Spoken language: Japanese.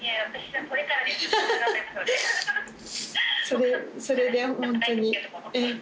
それでホントに。